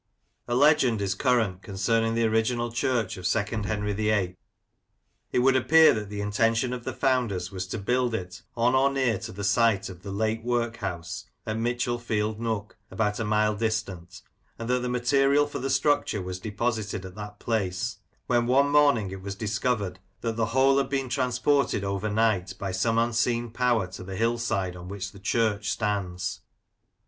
A legend is current concerning the original church of second Henry VIII. It would appear that the intention of the founders was to build it on or near to the site of the (late) workhouse at Mitchell field nook, about a mile distant, and that the material for the structure was deposited at that place, when one morning it was discovered that the whole had been transported overnight by some unseen power to the hill side on which the church stands.